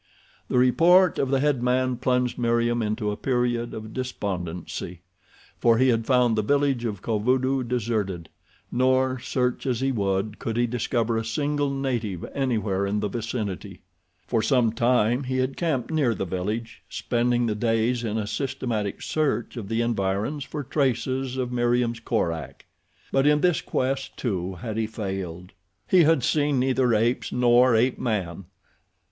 The report of the head man plunged Meriem into a period of despondency, for he had found the village of Kovudoo deserted nor, search as he would, could he discover a single native anywhere in the vicinity. For some time he had camped near the village, spending the days in a systematic search of the environs for traces of Meriem's Korak; but in this quest, too, had he failed. He had seen neither apes nor ape man.